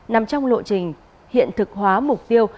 nằm trong lộ trình hiện thực hóa mục tiêu